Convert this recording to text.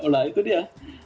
nah itu dia